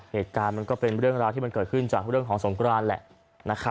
เหตุการณ์มันก็เป็นเรื่องราวที่มันเกิดขึ้นจากเรื่องของสงครานแหละ